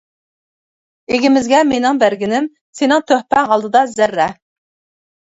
ئىگىمىزگە مېنىڭ بەرگىنىم، سېنىڭ تۆھپەڭ ئالدىدا زەررە.